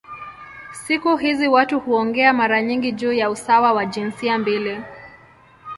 Siku hizi watu huongea mara nyingi juu ya usawa wa jinsia mbili.